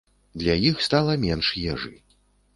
Для іх стала менш ежы.